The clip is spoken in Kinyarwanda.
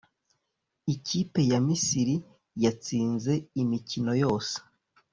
Ikipe ya Misiri yatsinze imikino yose